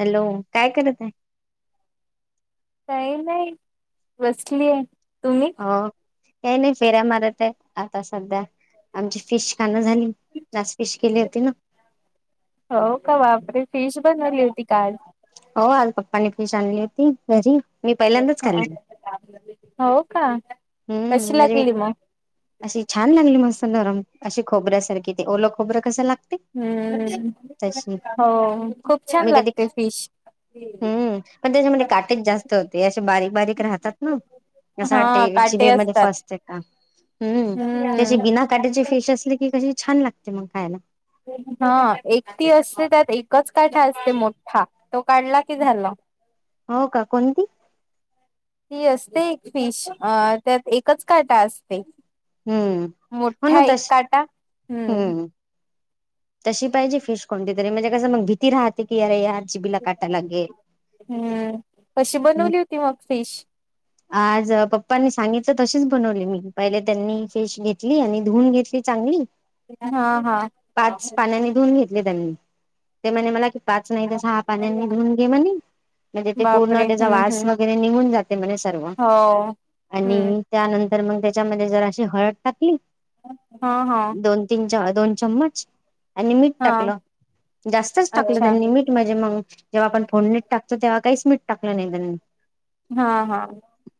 Hello. काय करते? काही नाही. बसली आहे. तुम्ही? हो. हे नाही फेऱ्या मारत आहे. आता सध्या. आमची फिश खाणं झाली लासफिश केली होती ना‌ हो का बापरे फिश [inaudible] घरी होती काल. हो आज पप्पांनी फिश आणली होती. घरी मी पहिल्यांदाच खाल्ली हो का हम्म कशी म्हणजे लागली मग अशी छान लागली मस्त नरम अशी खोबऱ्यासारखी ते ओल खोबरं कसं लागत हम्म हो खूप छान लागते फिश. ह पण त्याच्यामध्ये काटेच जास्त होते असे बारीक, बारीक राहतात ना. अस हा वाटते काटे जिभे मध्ये असतात फसते का हम्म त्याची हम्म बिना काट्याची फेश असली की कशी छान लागते मग खायला. हा एकटी असते त्यात एक कस काय खायचं ते मोठा तो काढला की झाल. हो का कोणती ती असते एक फिश अ त्यात एकच काटा असते. हम्म हो मोठा ना एक तशी काटा, हम्म. तशी पाहिजे फिश कोणती तरी म्हणजे कसं मग भीती राहते की अरे या जीबीला काटाय लागेल. हम्म, कशी बनवली होती मग फिश? आज पप्पांनी सांगितलं तशीच बनवले मी पहिले त्यांनी फिश घेत आणि धुवून घेतली चांगली. हा हा. पाच पाण्याने धुऊून घेतले त्यांनी ते म्हणे मला पाच नाही तर सहा पाण्यांनी धुऊन घे म्हणे. म्हणजे ते पूर्ण बापरे त्याचा हम्म वास हम्म वगैरे निघून जाते म्हणे सर्व. हो हम्म. आणि त्यानंतर मग त्याच्या मध्ये जराशी हळद टाकली हा हा दोन तीन, चार, दोन चम्मच आणि मीठ हा टाकलं जास्तच टाकलं अच्छा त्यांनी मीठ म्हणजे मग जेव्हा आपण फोडणीत टाकतो तेव्हा काहीच मीठ टाकलं नाही त्यांनी हा हा.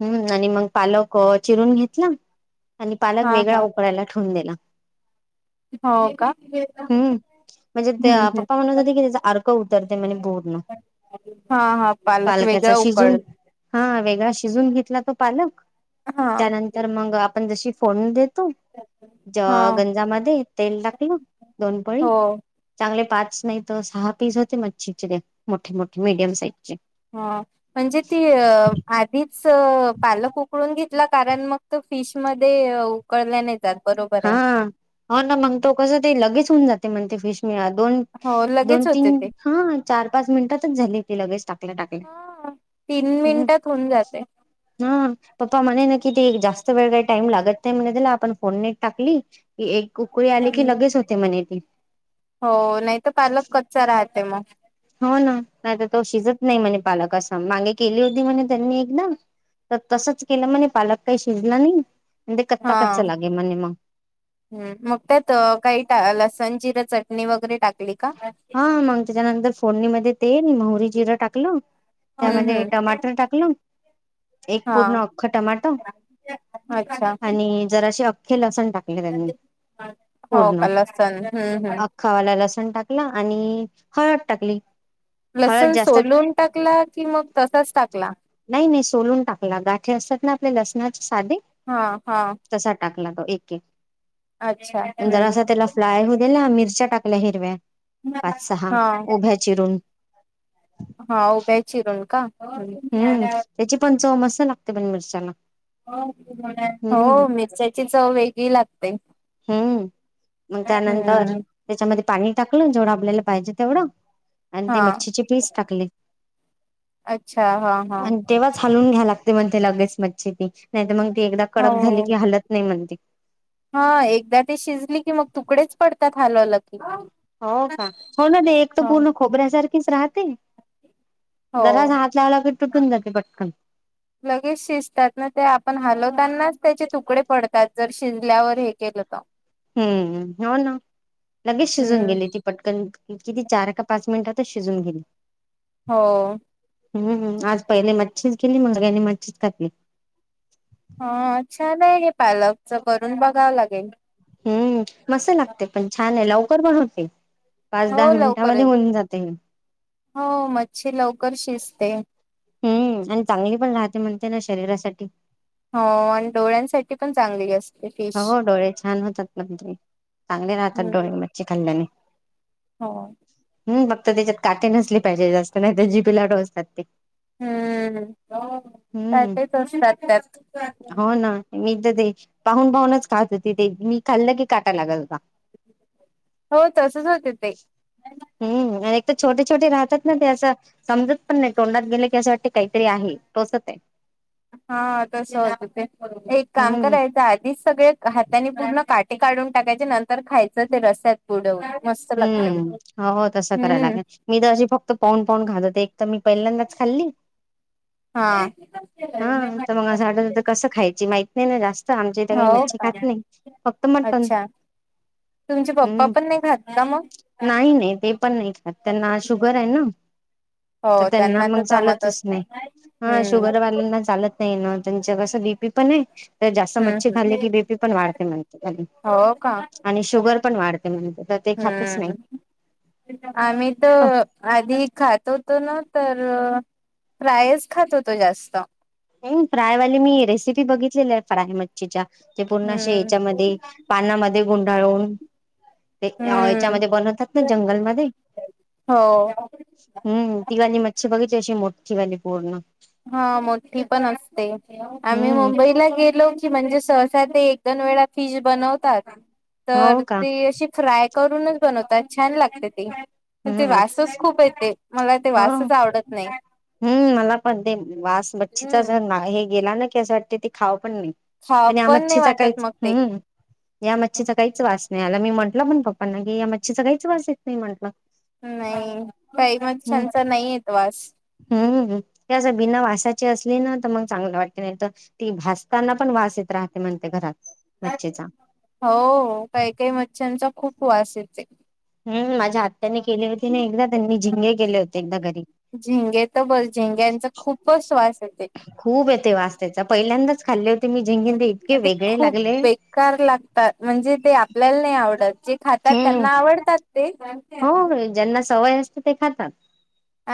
हम्म आणि मग पालक चिरून घेतला आणि पालक हा वेगळा हा उकळायला ठेवून दिला. हो का. हम्म, म्हणजे त्या हम्म पप्पा म्हणत होते की त्याचा अर्क उतरते म्हणे बोर मग हा हा पालक पालकाचा वेगळा उकळ शिजून हा वेगळा शिजून घेतला तो पालक हा त्यानंतर तर मग आपण जशी फोडणी देतो ज हा गंजामध्ये तेल टाकलं दोन पळी हो चांगले पाच नाही तर सहा पीस होते मच्छीचे मोठे, मोठे मीडियम साईजचे. ह म्हणजे ती अ आधीच पालक उकळून घे कारण मग मस्त तो फिश मध्ये उकळल्या नाही जात बरोबर आहे. हा न मग तो कस ते लगेच होऊन जाते म्हणते फिश मिळात दोन हो दोन, लगेच तीन होते ते हा चार, पाच मिनिटातच झाली हो ती लगेच टाकल्या, टाकल्या हा, तीन हम्म मिनिटात होऊन जाते. हा पप्पा म्हणे ना किती जास्त वेळ काही टाईम लागत नाही म्हणे त्याला आपण फोडणी टाकली एक उकळी आले की हम्म. लगेच होते म्हणे ते. हो नाही तर पालक कच्चा राहते मग. हो ना नाही तर तो शिजत नाही म्हणे पालक असा मागे केली होती म्हणे त्यांनी एकदा तर तसच केलं म्हणे पालक काही शिजला नाही म्हण ते कच्चा, कच्चा लागे म्हणे मग ह् मग त्यात काही टा लसण जिरं चटणी वगैरे टाकली. का हा मग त्याच्यानंतर फोडणी मध्ये तेल मोहरी जिर टाकलो. हम्म त्यामध्ये टमाटर हम्म टाकलो एक हा पूर्ण अख्ख टमाट अच्छा आणि जराशी अख्खे लसण टाक हो का लसन हम्म हम्म खावाला लसुन टाकला आणि हळद टाकली. हळद लसुन जास्त सोलून टाकला कि मग तसाच टाकला. नाही नाही सोलून टाकला गाठे असतात ना आपले लसणाचे साधी हा हा तसा टाकला तो एक एक अच्छा अन हम्म जरास त्याला फ्राय होऊ दिला मिरच्या टाकल्या हिरव्या पाच सहा हा उभ्या चिरून हा उभ्या चिरून का हम्म त्याची पण चव मस्त लागते पण मिरच्यांना हो मिरच्याची चव वेगळी लागते. हम्म मग त्यानंतर हम्म त्याच्या मध्ये पाणी टाकलं जेवढं आपल्याला पाहिजे तेवढं आणि ते हा मच्छीचे पीस टाकले. अच्छा हा हा हालवून घ्याव लागते म्हणते लगेच मच्छी ती नाही तर मग ती एकदा कडक झाली की हो हलत नाही मग ते हा एकदा ते शिजली की मग तुकडेच पडतात हलवलं की हो का? हो ना ते एक तर पूर्ण खोबऱ्या सारखीच राहते. हो जरा सा हात लावला की तुटून जाते पटकन लगेच शिजतात ना ते आपण हलवतानाच त्याचे तुकडे पडतात जर शिजल्यावर हे केलं त हम्म हो ना लगेच शिजवून हम्म गेली ती पटकन किती चार का पाच मिनिटातच शिजून गेली. हो हम् आज पहिले मच्छीच केली मुलग्याने मच्छीच खाल्ली. हा छान आहे हे पालकच करून बघा लगे. हम्म मस्त लागते पण छान आहे लवकर बघा की. पाच दहा हो लवकर मिनिटांमध्ये होऊन जाते. हो मच्छी लवकर शिजते. हम्म आणि चांगली पण राहते म्हणते ना शरीरासाठी. हो आणि डोळ्यांसाठी पण चांगली अस हो डोळे छान होतात मंतरी चांगले राहतात हम्म डोळे मच्छि खाल्ल्याने हो. हम् फक्त त्याच्यात काठे नसली पाहिजे जास्त नाही तर जीभीला टोचतात ते. हम्म काय हम्म. काय [unintelligible] हो ना मी तर द्यायची पाहून पाहूनच खात होती ते मी खाल्लं की काटा लागत होता. हो तसच होते ते. हम्म आणि एक तर छोटे छोटे राहतात ना ते असं - समजत पण नाही तोंडात गेले की असं वाटते काहीतरी आहे टोचत आहे. हा तस होत ते एक काम हम्म करायचं आहे. आधी सगळे हातानी पूर्ण काटे काढून टाकायचे नंतर खायचं ते रस्स्यात हम्म हो हो तसं कराय हम्म लागल. मी तर अशी फक्त पाऊड पाहून घालत एक तर मी पहिल्यांदाच खाल्ली. हा हा तर मग असं आठत तर कसं खायची माहिती. ते ना जास्त आमच्या इथे काही हो मच्छी का खात नाही फक्त मटन. अच्छा तुमचे पप्पा पण नाही खात मग. नाही नाही ते पण नाही खात त्यांना शुगर आहे ना. हो तर त्यांना मग तर चालतच जमतच नाही हा हम्म शुगरवाना. ना चालत नाही ना त्यांच कस बीपी पण आहे. तर जास्त हम्म मच्छी हम्म खाल्ली की बीपी पण वाढते म्हणते हो का आणि शुगर पण वाढ ''--'' हम्म. आम्ही तर आधी खात होतो ना तर. प्रायस खात होतो जास्त. फ्रायवाले मी रेसिपी बघितलेली आहे फ्राय मच्छीच्या ते पूर्ण असे हम्म याच्यामध्ये. पानामध्ये गुंडाळून. ते आ हम्म याच्यामध्ये बनवतात ना जंगलमध्ये. हो हम्म तिवाली मच्छ बघाची अशी मोठीवाली पूर्ण. हा मोठी पण असते आम्ही हम्म मुंबईत. ला गेलो की म्हणजे सहसा ते एक दोन वेळा फिश बनवतात. तर हो का ती अशी फ्राय करूनच बनवतात छान लागते ती. पण ते हम्म वासच खूप येते मला ते हो वासच आवडत नाही. हम्म मला पण ते वास मच्छीचा हम्म जर ना हे गेला ना की असं वाटते ते खाव पण नाही. खा पण या नाही मचछचा वाटत काहीच. मग ते या मच्छीचा काहीच वास नाही आला मी म्हटला पण पप्पांना की या मच्छीचा काहीच वास येत नाही म्हटलं. नाही काही मच्छ्यांचा नाही येत वास. हम्म अस बिना वासाची असली ना तर मग चांगलं वाट नाही तर. ती भासताना पण वासेत राहते म्हणते घरात मच्छीचा. हो काही काही मच्छ्यांचा खूप वास येतेय. हम माझ्या आत्त्याने केली होती ना एकदा त्यांनी झिंगे गेले होते एकदा घरी. झेंगे तर बर झेंग्यांचा खूपच श्वास येते. खूप येते वासतेचा पहिल्यांदाच खाल्ले होते मी झेंगे ते इतके वेगळे लागले. कार लागतात म्हणजे ते आपल्याला नाही आवडत जे. खातात त्यांना आवडतात ते. जना सवय अस''--'' ते खातात.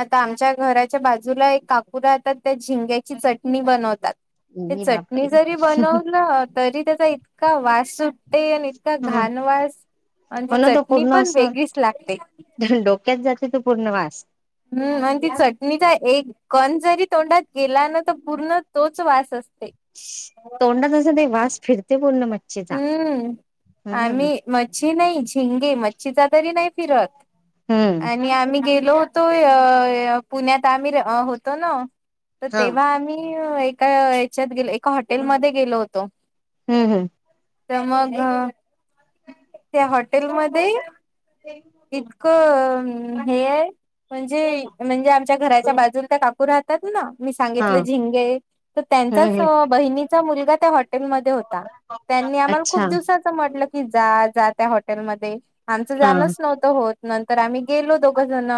आता आमच्या घराच्या बाजूला एक काकू राहतात त्या झिंग्याची चटणी बनवतात. ते ये चटणी बापरे जरी बनवलं तरी त्याचा इतका वास सुटते आणि. इतका ह घाणवास हो आणि ना तो चटणी पूर्ण पण असं वेगळीच लागते. डोक्यात जाते तो पूर्ण वास हम्म आणि ती चटणीचा एक. कण जरी तोंडात गेला ना तर पूर्ण तोच वास असते. तोंडातस ते वास फिरते बोल ना मच्छेचा हम्म ह ह ह, आम्ही मच्छी नाही झिंगे मच्छीचा तरी नाही फिरत. हम्म. आणि आम्ही गेलो होतो अ य पुण्यात आम्ही र अ होतो ना. तर हा तेव्हा आम्ही एका हच्यात गेलो एका हॉटेलमध्ये गेलो होतो. हम हम. तर मग त्या हॉटेलमध्ये ते [unintelligible] इतकं हेय म्हणजे म्हणजे आमच्या घराच्या बाजू त्या काकू राहात ना मी हा सांगितलं झिंगे तर त्यांच्याच हम्म हम्म बहिणी मु हट हो आ्हा अच्छा खव म्हटलं की जा जा त्या हॉटेलमध्ये आमच हा जाणच नव्हत होत नंतर आम्ही गेलो दोघ जण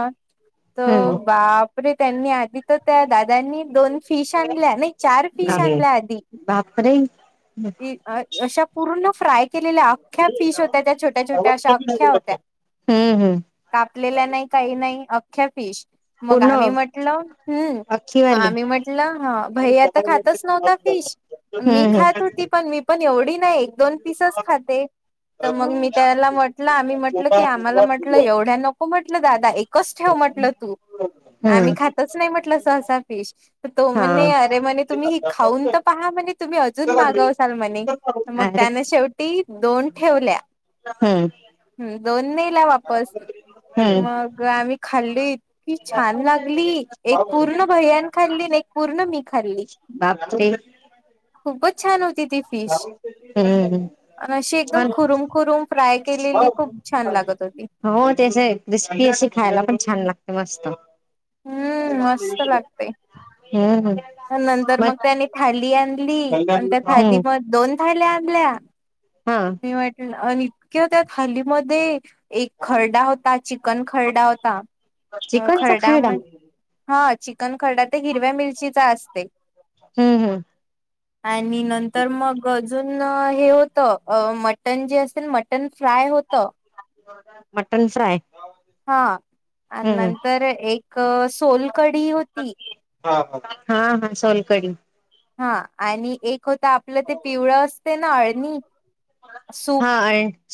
त हम्म बापरे त्यांनी आधी तर त्या दादांनी दोन फिश आणल्या नाही चार फिश बाप आणल्या आधी बापरे अशा पूर्ण फ्राय केलेल्या अख्ख्या फिश होत्या त्या छोट्या छोट्या अशा अख्ख्या होत्या हम्म कापलेल्या नाही काही नाही अख्ख्या फिश मग पूर्ण आम्ही म्हटलं हम् मग अख्खीवाली आम्ही म्हटलं हा भई आता खातच हम्म नव्हता फिश मी हम्म खात होती पण मी पण एवढी नाही एक दोन पीसच खाते तर मग मी त्याला म्हटलं आम्ही म्हटलं की आम्हाला म्हटलं एवढ्या नको म्हटलं दादा कस ठेव म्हंटल तू हम्म आम्ही खातच नाही म्हटल सहसा फिश तो हा म्हणे अरे म्हणे तुम्ही ह खाऊन तर पहा म्हणे तुम्ही अजून मागवसाल म्हणे मग अरे त्यान शेवटी दोन ठेवल्या हा हम् दोन नेला वापस हम्म मग आम्ही खाल्ल की छान लागली एक पूर्ण भैयान खाल्ली एक पूर्ण मी खाल्ली बाप खूपच छान होती तीप हम्म् आणि अशी एकदम खुरुम खुरुम फ्राय केलेली खूप छान लागत होती हो त्याच क्रिस्पी अशी खायला पण छान लागते मस्त हम्म मस्त लागते हम् हम् नंतर मग त्यानी थाली आणली आणि त्या थाली हम्म म दोन थाल्या आणल्या हा वाट इतकिं त्या थालीमध्ये एक खरडा होता चिकन खरडा होता चिकनचा खरडा खैडा म्हण हम्म हा चिकन खडा ते हिरव्या मिरचीचा असते हम् हम् आणि नंतर मग अजून हे होतं अ मटण जे असेल मटन फ्राय होतं मटन फ्राय हा आणि हम्म नंतर एक सोलकढी होती हा हा सोलकडी हा आणि एक होत आपलं ते पिवळं असते ना अळणी हा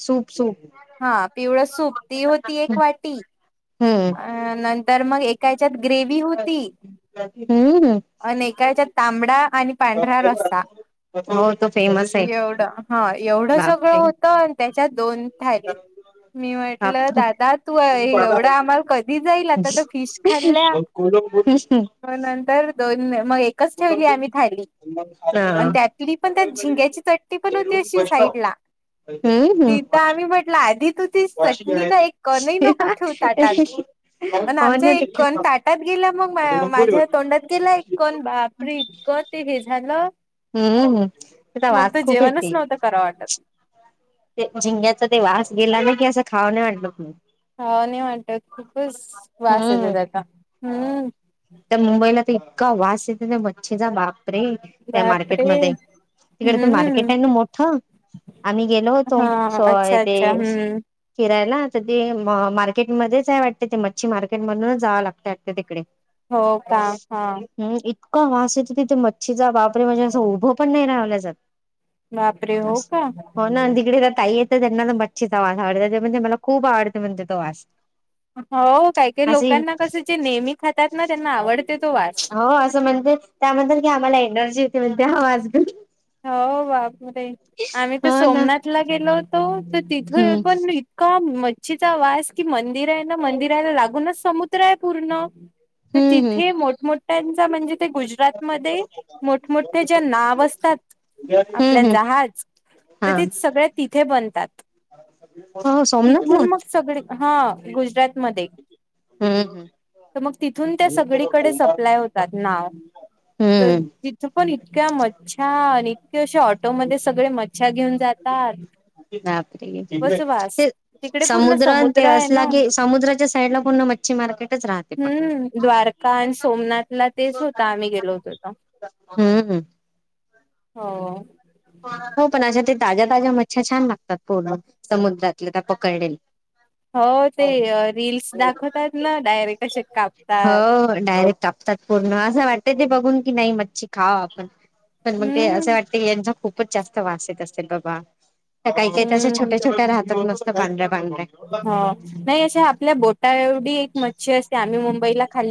सूप सूप हा पिवळं सूप ती होती एक वाटी हम्म अ नंतर मग एकाच्यात ग्रेवी होती हम्म अ नेकाळच्या तांबडा आणि पांढरा रसा हो तो फेमस आहे एवढ ह एवढं सगळं बापरे होतं त्याच्या दोन थाली मी म्हटल बापरे दादा तू एवढं आम्हाला क ई जाईल आता तर फिश खाल्ल्या म नंतर दोन मग कस ठेवली आम्ही खायली हा आणि त्यातली पण त्यात झिंग्याची चटणी पण होते असशी साईड ला. हम्म, हम्म. आधी तुती त्या चटणीचा एक कनही ठेवु ताटा टात आणि हो आमच्या ना एक ते कोण ताटात गेला मग माझ्या तोंडात गेला एक कोण बा परे इतक ते हे झालं हम्म, हम्म, त्याचा वास खूप येते. करा वाटत. ते झिंग्याचा ते वास गेला नाही की असं खावा नाही वाटलं म्हणून. खावा नाही वाटत खूपच वास येते हम्म त्याचा, हम्म. त्या मुंबईला तर इतका वास येते त्या मच्छीचा बाप त्या मार्केट बापरे मध्ये तिकडे तर मार्केट हम्म आहे ना मोठं आम्ही गेलो हा सोय अच्छा ते अच्छा हम्म फिरायला तर ते मार्केटमध्येच आहे वाटते ते मच्छी मार्केट मधूनच जावं लागतं तिकडे. हो काम हा. हम्म इतका वास येत तिथे मच्छीचा वापरे म्हणजे असं उभं पण नाही रावल्या जात. बापरे हो का. हो ना तिकडे ताई येता त्यांना मच्छीचा वास आवडत त्या म्हणता मला खूप आवडते म्हणे तो वास. हो काय, काय असे लोकांना कसं जे नेहमी खातात ना त्यांना आवडते तो वास. हो असं म्हणते त्या म्हणतात की आम्हाला एनर्जी होते हा वास घेऊन. हो बापरे ताई आम्ही तर हो ना सोमनाथला गेलो होतो तर तिथे हम्म पण का मच्छीचा वास कि मंदिर आहे ना मंदिरायला लागूनच समुद्र आहे पूर्ण. तर हम्म हम्म तिथे मोठ मोठ्यांचा म्हणजे ते गुजरातमध्ये मोठ मोठे ज्या नाव असतात. आपल्या हम्म हम्म जहाज हा तर ते सगळ्या तिथे बनतात. हो सोमनाथला तिथून मग सगळे हा गुजरात मध्ये. हम्म हम्म तर मग तिथून त्या सगळीकडे सप्लाय होतात नाव. तर हम्म तिथं पण इतक्या मच्छ्या नितके अशे ऑटोमध्येध्ये सगळे मच्छा घेऊन जातात. बस वास ते तिकडे पूर्ण समुद्र ते आहे असला ना. की समुद्राच्या साईड ला पर्ण मच्छी मार्केटच राहत हम्म, द्वारका आणि सोमनाथला तेच होता आम्ही गेलो होतो तर. हम्म हम्म. हो. हो पण अशा ते ताज्या, ताज्या मच्छ्या छान लागतात पोड समुद्रातले त्या पकडलेल्या. हो ते रील्स दाखवतात ना डायरेक्ट असे कापतात. हो डायरेक्ट आप तातपूर्ण असं वाटत ते बघून की नाही मच्छी खाऊ आपण पण मग ते असं हम्म वाटते की यांच्या खूपच जास्त वासत असेल बाबा तर काही, काही तशं हम्म छोट्या, छोट्या राहतात मसतं पांढऱ्या, पांढऱ्या हो नाही अशा आपल्या बोटा एवढी एक मच्छी असते आम्ही मुंबईला खाल्ली